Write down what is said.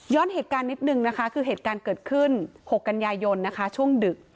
เหตุการณ์นิดนึงนะคะคือเหตุการณ์เกิดขึ้น๖กันยายนนะคะช่วงดึก